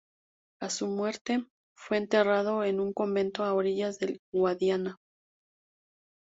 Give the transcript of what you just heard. A su muerte, fue enterrado en un convento a orillas del Guadiana.